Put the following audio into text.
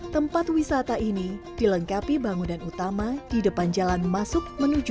tempat wisata ini dilengkapi bangunan utama di depan jalan masuk menuju